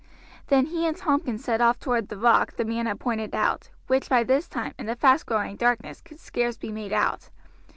Then he and Tompkins set off toward the rock the man had pointed out, which by this time, in the fast growing darkness, could scarce be made out.